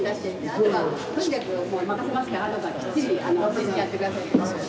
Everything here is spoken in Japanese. あとはとにかくもう任せますから安藤さんきっちりやって下さい。